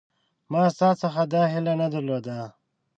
ما ستا څخه دا هیله نه درلوده